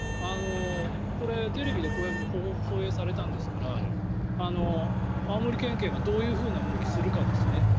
これ、テレビでこういうふうに放映されたんですから青森県警がどういうふうな動きをするかですね。